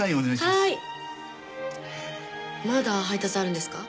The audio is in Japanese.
まだ配達あるんですか？